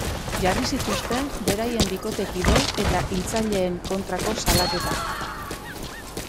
Jarri zituzten beraien bikotekide eta hiltzaileen kontrako salaketak.